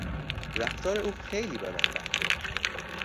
رفتار او خیلی به من برخورد.